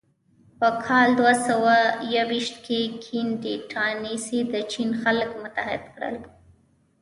په کال دوهسوهیوویشت کې کین ډایناسټي د چین خلک متحد کړل.